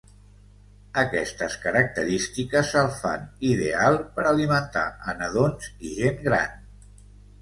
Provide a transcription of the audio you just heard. Aquestes característiques el fan ideal per alimentar a nadons i gent gran.